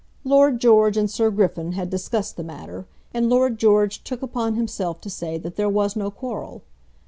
Lord George and Sir Griffin had discussed the matter, and Lord George took upon himself to say that there was no quarrel.